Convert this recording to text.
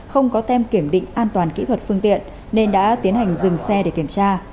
không có tem kiểm định an toàn kỹ thuật phương tiện nên đã tiến hành dừng xe để kiểm tra